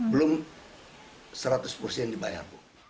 belum seratus persen dibayar